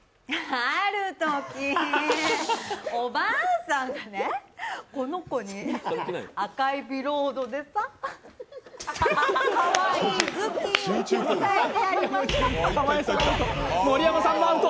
あるとき、おばあさんがね、この子に赤いビロードでさ、かわいいずきんをこしらえてやりましたと。